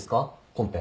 コンペ。